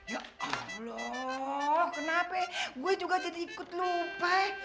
ya loh kenapa gue juga jadi ikut lupa